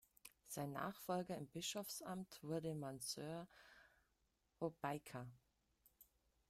Sein Nachfolger im Bischofsamt wurde Mansour Hobeika.